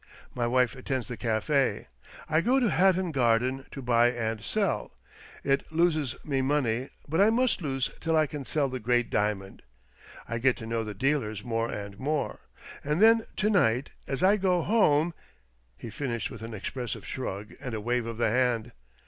My wife attends the cafe, I go to Hatton Garden to buy and sell. It loses me money, but I must lose till I can sell the great diamond. I get to know the dealers more and more, and then to night, as I go home " he finished with an expressive shrug and a wave of the hand.